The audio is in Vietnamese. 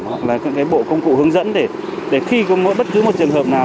hoặc là những cái bộ công cụ hướng dẫn để khi có bất cứ một trường hợp nào